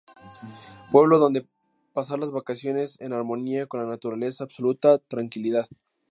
Pueblo donde pasar las vacaciones en armonía con la naturaleza, absoluta tranquilidad.